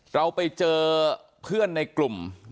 เราไปเจอเพื่อนในกลุ่ม